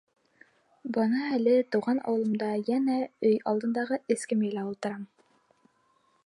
Бына әле тыуған ауылымда йәнә өй алдындағы эскәмйәлә ултырам.